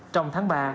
trong tháng ba